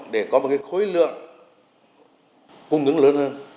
để có một cái khối lượng cung đứng lớn hơn